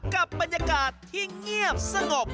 กับบรรยากาศที่เงียบสงบ